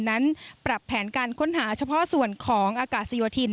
นั้นปรับแผนการค้นหาเฉพาะส่วนของอากาศโยธิน